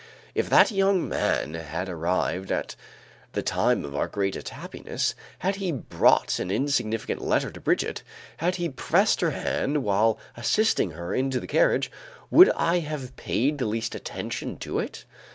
If that young man had arrived at the time of our greatest happiness, had he brought an insignificant letter to Brigitte, had he pressed her hand while assisting her into the carriage, would I have paid the least attention to it?